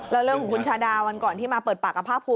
แล้วเรื่องของคุณชาดาวันก่อนที่มาเปิดปากกับภาคภูมิ